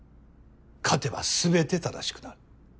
勝てばすべて正しくなる。